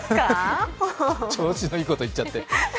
調子のいいこと言っちゃって。